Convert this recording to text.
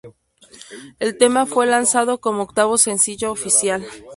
El tema fue lanzado como octavo sencillo oficial.